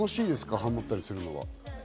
ハモったりするのは。